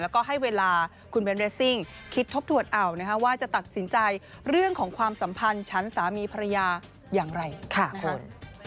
แล้วก็ให้เวลาคุณเบนเรสซิ่งคิดทบทวนเอานะคะว่าจะตัดสินใจเรื่องของความสัมพันธ์ชั้นสามีภรรยาอย่างไรนะครับ